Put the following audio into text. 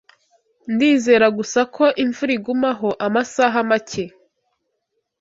Ndizera gusa ko imvura igumaho amasaha make.